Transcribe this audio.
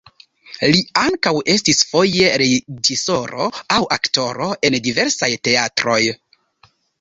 Li ankaŭ estis foje reĝisoro aŭ aktoro en diversaj teatroj.